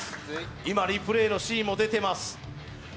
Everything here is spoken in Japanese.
今、リプレイのシーンも出てます